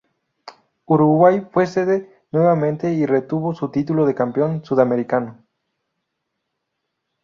Uruguay fue sede nuevamente y retuvo su título de campeón sudamericano.